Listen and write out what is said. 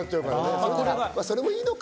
まぁ、それもいいのか。